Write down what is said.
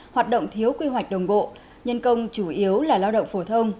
hoạt động thiếu quy hoạch đồng bộ nhân công chủ yếu là lao động phổ thông